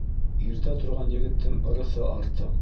Иртә торған егеттең ырыҫы артыҡ